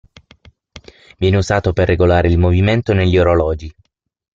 Viene usato per regolare il movimento negli orologi.